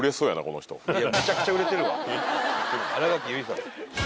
新垣結衣さん。